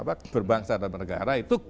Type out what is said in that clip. apa berbangsa dan bernegara itu